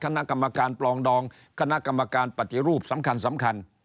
คณะกรรมการปลองดองคณะกรรมการปฏิรูปสำคัญสำคัญ